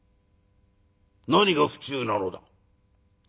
「何が不忠なのだ？」。